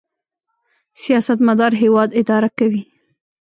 سیاستمدار هیواد اداره کوي